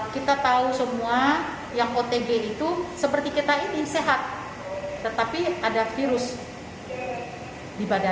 kita tahu semua yang otg itu seperti kita ini sehat tetapi ada virus di badan